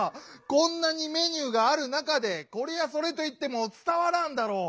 こんなにメニューがある中で「これ」や「それ」といってもつたわらんだろう！